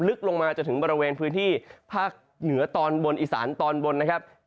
ลงมาจนถึงบริเวณพื้นที่ภาคเหนือตอนบนอีสานตอนบนนะครับ